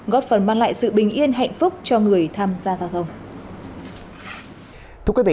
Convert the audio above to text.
góp phần mang lại sự bình yên hạnh phúc cho người tham gia giao thông